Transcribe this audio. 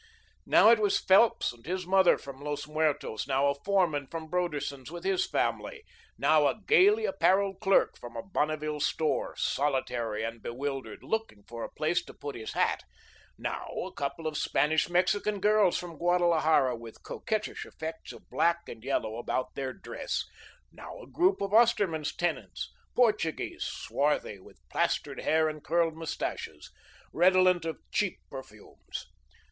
Now it was Phelps and his mother from Los Muertos, now a foreman from Broderson's with his family, now a gayly apparelled clerk from a Bonneville store, solitary and bewildered, looking for a place to put his hat, now a couple of Spanish Mexican girls from Guadalajara with coquettish effects of black and yellow about their dress, now a group of Osterman's tenants, Portuguese, swarthy, with plastered hair and curled mustaches, redolent of cheap perfumes.